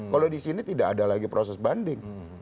kalau di sini tidak ada lagi proses banding